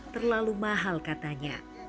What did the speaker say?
terlalu mahal katanya